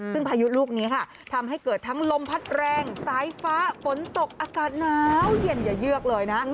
ซึ่งพายุลูกนี้ค่ะทำให้เกิดทั้งลมพัดแรงสายฟ้าฝนตกอากาศหนาวเย็นอย่าเยือกเลยนะ